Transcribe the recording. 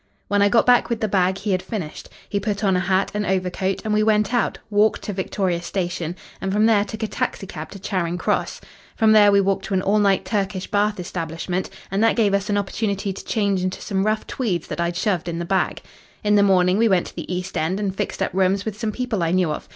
"When I got back with the bag, he had finished. He put on a hat and overcoat and we went out, walked to Victoria Station, and from there took a taxicab to Charing Cross. From there we walked to an all night Turkish bath establishment, and that gave us an opportunity to change into some rough tweeds that I'd shoved in the bag. In the morning we went to the East End and fixed up rooms with some people I knew of.